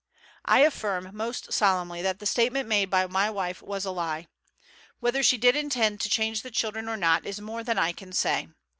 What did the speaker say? "I affirm most solemnly that the statement made by my wife was a lie. Whether she did intend to change the children or not is more than I can say.